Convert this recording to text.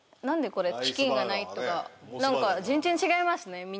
何でこれチキンがないとか何か全然違いますね